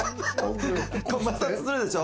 摩擦するでしょ。